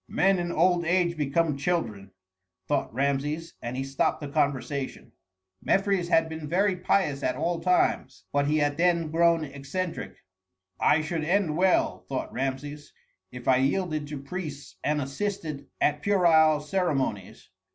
"Men in old age become children," thought Rameses; and he stopped the conversation. Mefres had been very pious at all times, but he had then grown eccentric. "I should end well," thought Rameses, "if I yielded to priests and assisted at puerile ceremonies.